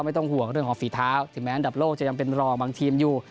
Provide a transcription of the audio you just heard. ไม่ต้องห่วงเรื่องของฝีเท้าถึงแม้อันดับโลกจะยังเป็นรองบางทีมอยู่